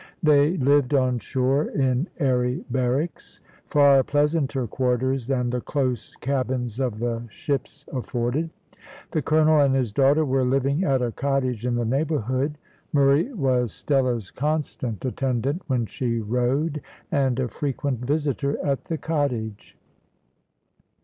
They lived on shore in airy barracks far pleasanter quarters than the close cabins of the ships afforded. The colonel and his daughter were living at a cottage in the neighbourhood. Murray was Stella's constant attendant when she rode, and a frequent visitor at the cottage.